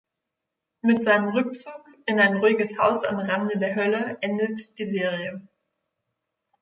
Mit seinem Rückzug in ein ruhiges Haus am Rande der Hölle endet die Serie.